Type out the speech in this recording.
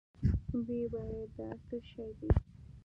ويې ويل دا څه شې دي؟